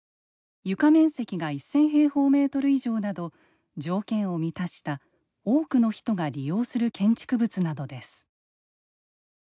床面積が１０００平方メートル以上など条件を満たした、多くの人が利用する建築物などです。